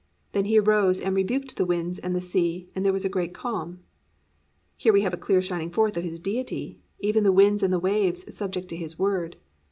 Then He arose, and rebuked the winds and the sea, and there was a great calm."+ Here we have a clear shining forth of His Deity, even the winds and the waves subject to His word.